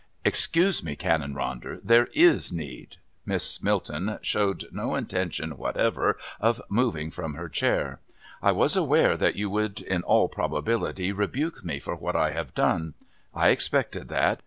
"Excuse me, Canon Ronder, there is need." Miss Milton showed no intention whatever of moving from her chair. "I was aware that you would, in all probability, rebuke me for what I have done. I expected that.